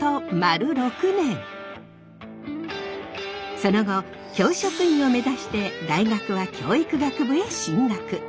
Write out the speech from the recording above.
その後教職員を目指して大学は教育学部へ進学。